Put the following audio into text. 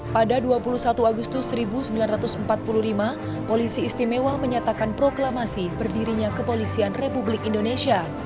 pada dua puluh satu agustus seribu sembilan ratus empat puluh lima polisi istimewa menyatakan proklamasi berdirinya kepolisian republik indonesia